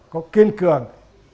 có kiên cường